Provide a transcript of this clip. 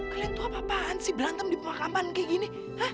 kalian tuh apa apaan sih berantem di bawah kapan kayak gini